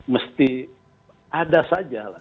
mesti ada saja lah